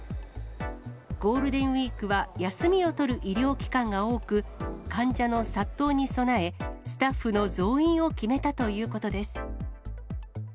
ゴールデンウィークは休みを取る医療機関が多く、患者の殺到に備え、スタッフの増員を決めたということです。